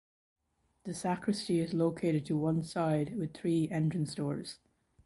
The sacristy is located to one side with three entrance doors.